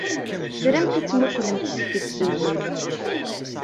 Tramt ad temmuqqlemt seg tzewwut.